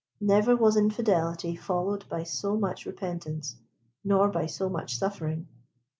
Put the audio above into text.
Never was infidelity followed by so much repentance, nor by so much suffering.